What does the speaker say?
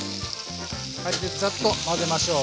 でざっと混ぜましょう。